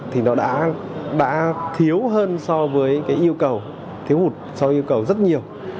thì nó đã thiếu hơn so với yêu cầu thiếu hụt so với yêu cầu rất nhiều